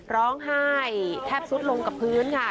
ร้องไห้แทบซุดลงกับพื้นค่ะ